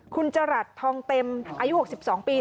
คุณจรัสทองเต็มอายุ๖๒ปี